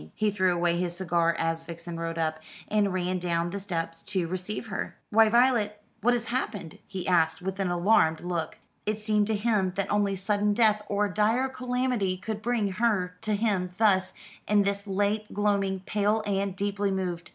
He threw away his cigar as Vixen rode up, and ran down the steps to receive her. "Why, Violet, what has happened?" he asked, with an alarmed look. It seemed to him, that only sudden death or dire calamity could bring her to him thus, in the late gloaming, pale, and deeply moved.